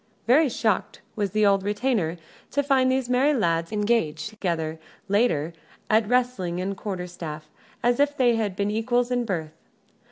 Very shocked was the old retainer to find these merry lads engaged together, later, at wrestling and the quarter staff, as if they had been equals in birth.